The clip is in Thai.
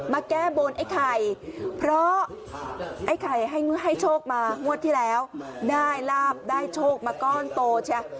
แก้บนไอ้ไข่เพราะไอ้ไข่ให้โชคมางวดที่แล้วได้ลาบได้โชคมาก้อนโตใช่ไหม